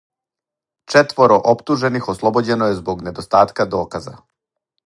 Четворо оптужених ослобођено је због недостатка доказа.